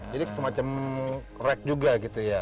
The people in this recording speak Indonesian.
jadi semacam rack juga gitu ya